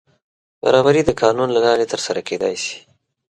برابري د قانون له لارې تر سره کېدای شي.